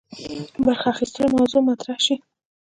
برخي اخیستلو موضوع مطرح سي.